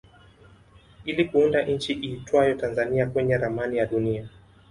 ili kuunda nchi iitwayo Tanzania kwenye ramani ya dunia